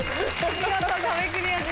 見事壁クリアです。